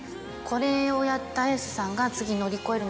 「これをやった綾瀬さんが」。